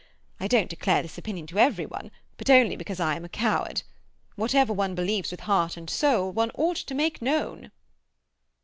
I don't declare this opinion to every one, but only because I am a coward. Whatever one believes with heart and soul one ought to make known."